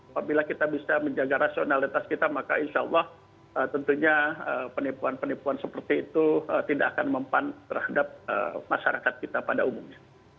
apabila kita bisa menjaga rasionalitas kita maka insya allah tentunya penipuan penipuan seperti itu tidak akan mempan terhadap masyarakat kita pada umumnya